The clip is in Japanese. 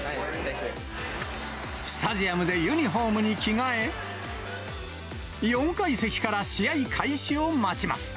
スタジアムでユニホームに着替え、４階席から試合開始を待ちます。